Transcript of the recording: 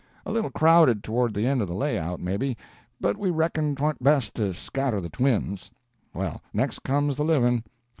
A little crowded towards the end of the lay out, maybe, but we reckoned 'twa'n't best to scatter the twins. Well, next comes the livin'.